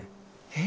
え？